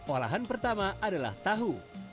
olahan pertama adalah tahu